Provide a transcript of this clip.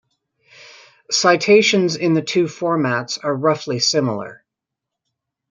Citations in the two formats are roughly similar.